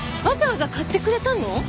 わざわざ買ってくれたの？